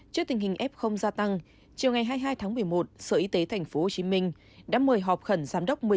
trước tình hình f gia tăng chiều ngày hai mươi hai tháng một mươi một sở y tế tp hcm đã mời họp khẩn giám đốc